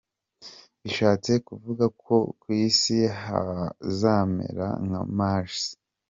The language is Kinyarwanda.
Bishatse kuvugako no ku isi hazamera nka Mars,.